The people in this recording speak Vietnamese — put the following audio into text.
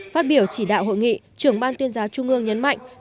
phát biểu chỉ đạo hội nghị trưởng ban tuyên giáo trung ương nhấn mạnh